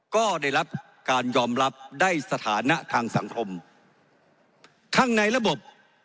ก็ได้รับการยอมรับได้สถานะทางสังคมข้างในระบบ